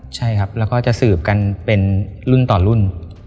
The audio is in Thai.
ใช่ครับแล้วก็จะสืบกันเป็นรุ่นต่อรุ่น